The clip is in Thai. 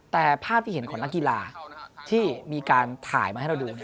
แต่ภาพที่เห็นของนักกีฬาที่มีการถ่ายมาให้เราดู